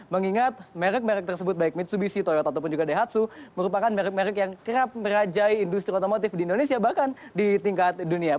mengingat merek merek tersebut baik mitsubishi toyota ataupun juga daihatsu merupakan merek merek yang kerap merajai industri otomotif di indonesia bahkan di tingkat dunia